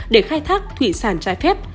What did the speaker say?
để khai thác thủy sản trái phép